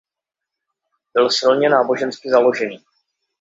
Byl silně nábožensky založený.